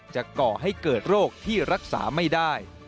ก่อให้เกิดโรคที่รักษาไม่ได้